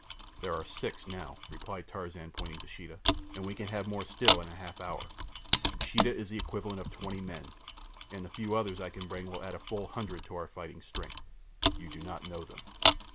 "There are six now," replied Tarzan, pointing to Sheeta, "and we can have more still in a half hour. Sheeta is the equivalent of twenty men, and the few others I can bring will add full a hundred to our fighting strength. You do not know them."